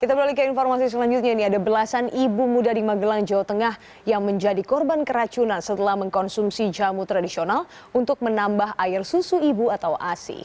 kita beralih ke informasi selanjutnya ini ada belasan ibu muda di magelang jawa tengah yang menjadi korban keracunan setelah mengkonsumsi jamu tradisional untuk menambah air susu ibu atau asi